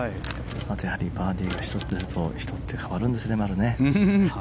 やっぱりバーディーが１つ出ると人って変わるんですね。